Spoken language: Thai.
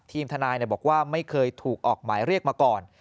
ทีมทนายบอกว่าไม่เคยถูกออกหมายเรียกมาก่อน